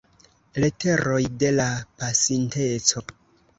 Leteroj de la Pasinteco.